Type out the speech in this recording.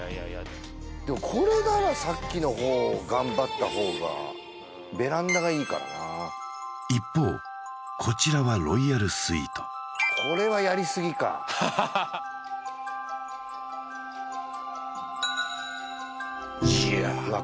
でもこれならさっきの方を頑張った方がベランダがいいからな一方こちらはこれはやりすぎかいやうわっ